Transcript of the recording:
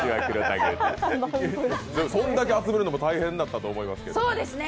そんだけ集めるのも大変だったと思いますけど。